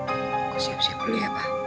aku siap siap dulu ya pa